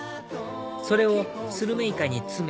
それをスルメイカに詰め